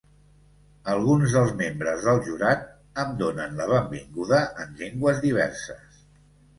Alguns dels membres del jurat em donen la benvinguda en llengües diverses.